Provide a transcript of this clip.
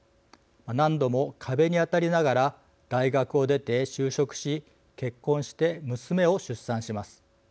何度も壁に当たりながら大学を出て就職し結婚して娘を出産します。